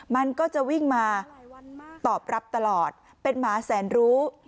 มันก็จะวิ่งมาตอบรับตลอดเป็นหมาแสนรู้